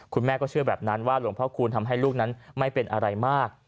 แม่ก็เชื่อแบบนั้นว่าหลวงพ่อคูณทำให้ลูกนั้นไม่เป็นอะไรมาก